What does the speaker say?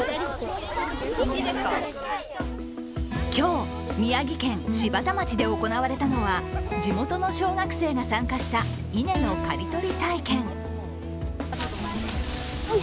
今日、宮城県柴田町で行われたのは地元の小学生が参加した稲の刈り取り体験。